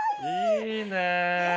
いいね！